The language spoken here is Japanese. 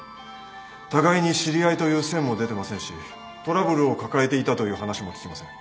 互いに知り合いという線も出てませんしトラブルを抱えていたという話も聞きません。